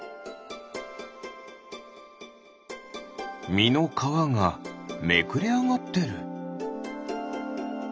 みのかわがめくれあがってる。